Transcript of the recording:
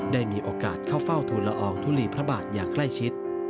ได้มีโอกาสเข้าเฝ้าทุนละอองทุลีพระบาทอย่างใกล้ชิด